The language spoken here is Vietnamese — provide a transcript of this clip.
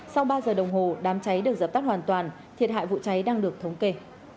sau ba giờ đồng hồ đám cháy được dập tắt hoàn toàn thiệt hại vụ cháy đang được thống kê